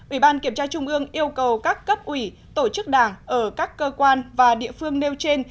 ủy ban kiểm tra trung ương yêu cầu các cấp ủy tổ chức đảng ở các cơ quan và địa phương nêu trên